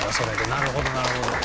なるほどなるほど。